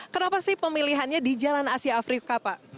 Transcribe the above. kenapa sih pemilihannya di jalan asia afrika pak